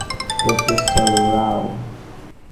Professor Rao.